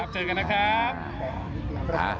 เจอกันนะครับ